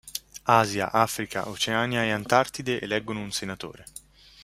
Asia, Africa, Oceania e Antartide eleggono un senatore.